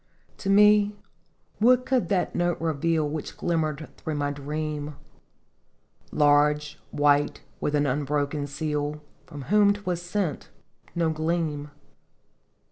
" To me what could that note reveal Which glimmered through my dream? Large, white, with an unbroken seal, From whom 't was sent no gleam.